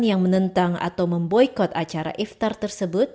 yang menentang atau memboykot acara iftar tersebut